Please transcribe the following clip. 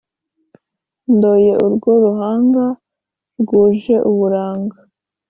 ndoye urwo ruhanga rwuje uburanga